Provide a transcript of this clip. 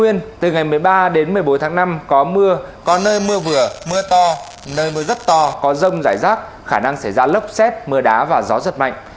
đêm một mươi bốn đến một mươi bốn tháng năm có mưa có nơi mưa vừa mưa to nơi mưa rất to có rông rải rác khả năng xảy ra lốc xét mưa đá và gió giật mạnh